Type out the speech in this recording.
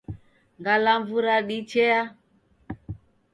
Ngalamvu radichea.